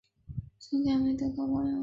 曾经改名德高朋友。